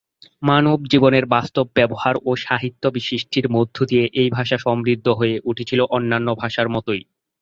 মানব জীবনের বাস্তব ব্যবহার ও সাহিত্য সৃষ্টির মধ্য দিয়ে এই ভাষা সমৃদ্ধ হয়ে উঠেছিল অন্যান্য ভাষার মতই।